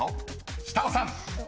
［下尾さん］